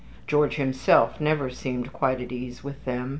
George himself never seemed quite at ease with them.